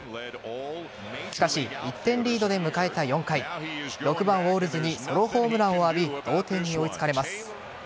しかし１点リードで迎えた４回６番・ウォールズにソロホームランを浴び同点に追いつかれます。